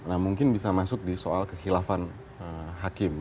nah mungkin bisa masuk di soal kekhilafan hakim